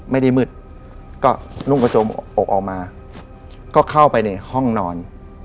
ไม่ได้มืดก็นุ่งกระโจมอกออกมาก็เข้าไปในห้องนอน